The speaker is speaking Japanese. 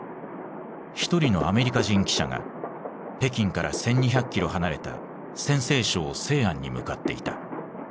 一人のアメリカ人記者が北京から１，２００キロ離れた陝西省西安に向かっていた。